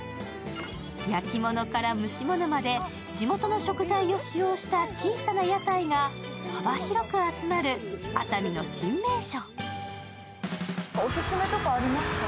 焼き物から蒸し物まで、地元の食材を使用した小さな屋台が幅広く集まる熱海の新名所。